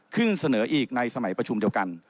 เสนออีกในสมัยประชุมเดียวกัน